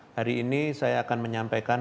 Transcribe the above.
hari ini saya akan menyampaikan